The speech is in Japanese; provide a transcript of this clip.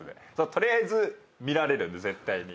取りあえず見られるんで絶対に。